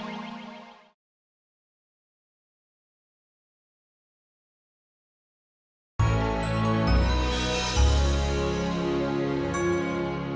atau perlu saya panggil sekuriti untuk usir kalian